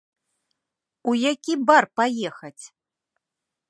У які бар паехаць?